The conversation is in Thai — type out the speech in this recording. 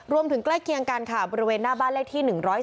ใกล้เคียงกันค่ะบริเวณหน้าบ้านเลขที่๑๔